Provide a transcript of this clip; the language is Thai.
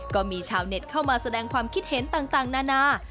ก็มีชาวเน็ตเข้ามาแสดงความคิดเห็นต่างนานา